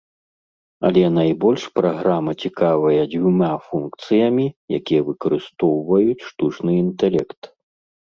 Але найбольш праграма цікавая дзвюма функцыямі, якія выкарыстоўваюць штучны інтэлект.